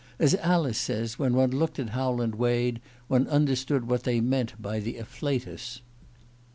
As Alice says, when one looked at Howland Wade one understood what they meant by the Afflatus."